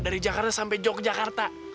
dari jakarta sampe jogjakarta